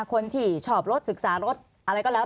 คนที่ชอบรถศึกษารถอะไรก็แล้ว